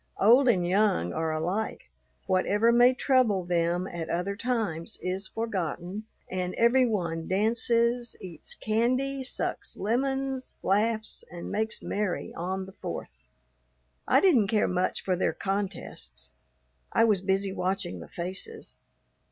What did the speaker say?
Old and young are alike; whatever may trouble them at other times is forgotten, and every one dances, eats candy, sucks lemons, laughs, and makes merry on the Fourth. I didn't care much for their contests. I was busy watching the faces.